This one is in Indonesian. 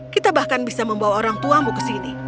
kita bahkan bisa membawa orang tuamu ke sini